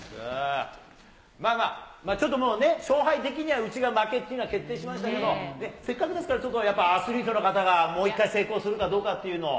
まあまあ、ちょっともうね、勝敗的にはうちが負けっていうのは決定しましたけど、せっかくですから、ちょっとやっぱアスリートの方が、もう一回成功するかどうかっていうのを。